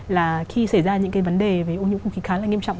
là khi xảy ra những cái vấn đề về ô nhiễm không khí khá là nghiêm trọng